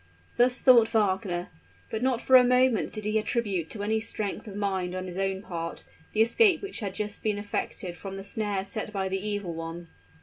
Thus thought Wagner: but not for a moment did he attribute to any strength of mind on his own part, the escape which had just been effected from the snares set by the evil one.